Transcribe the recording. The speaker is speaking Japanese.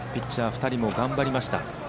２人も頑張りました。